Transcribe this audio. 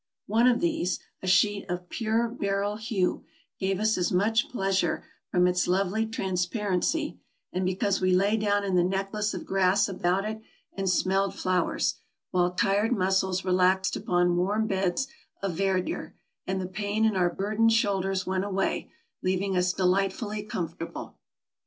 One of these, a sheet of pure beryl hue, gave us as much pleasure from its lovely transparency, and because we lay down in the necklace of grass about it and smelled flowers, while tired muscles relaxed upon warm beds of verdure, and the pain in our burdened shoulders went away, leaving us delightfully comfortable.